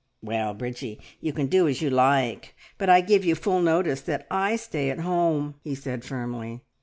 "Well, Bridgie, you can do as you like, but I give you full notice that I stay at home!" he said firmly.